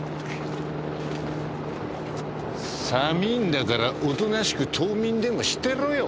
寒いんだからおとなしく冬眠でもしてろよ亀！